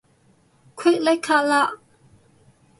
虢礫緙嘞